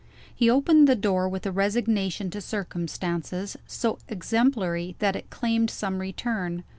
He opened the door with a resignation to circumstances, so exemplary that it claimed some return.